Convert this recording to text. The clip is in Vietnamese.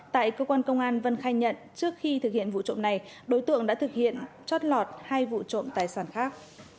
tại cơ quan công an vân khai nhận trước khi thực hiện vụ trộm này đối tượng đã thực hiện chót lọt hai vụ trộm tài sản khác